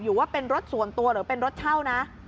ว่าเป็นรถส่วนตัวหรือเป็นรถเช่านะ